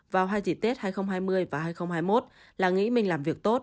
vào hai dịp tết hai nghìn hai mươi và hai nghìn hai mươi một là nghĩ mình làm việc tốt